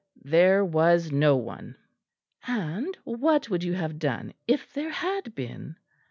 "There was no one." "And what would you have done if there had been?"